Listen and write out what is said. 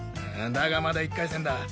だがまだ１回戦だ。